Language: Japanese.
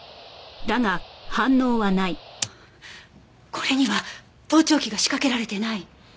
これには盗聴器が仕掛けられてない？